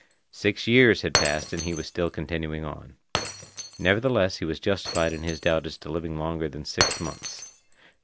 Six years had passed and he was still continuing on. Nevertheless he was justified in his doubt as to living longer than six months.